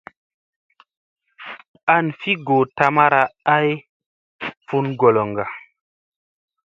An fi goo tamara ay fun goloŋga.